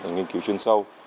nghiên cứu chuyên sâu